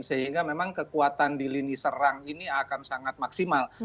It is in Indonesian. sehingga memang kekuatan di lini serang ini akan sangat maksimal